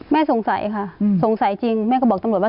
สงสัยค่ะสงสัยจริงแม่ก็บอกตำรวจว่า